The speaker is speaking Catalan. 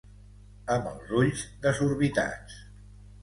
Amb els ulls desorbitats.